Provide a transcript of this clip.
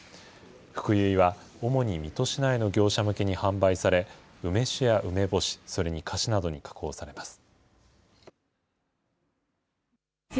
ふくゆいは、主に水戸市内の業者向けに販売され、梅酒や梅干し、それに菓子などに加工されます。